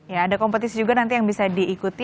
ya ada kompetisi juga nanti yang bisa diikuti